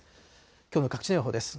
きょうの各地の予報です。